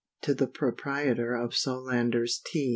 To the Proprietor of Dr. SOLANDER'S TEA.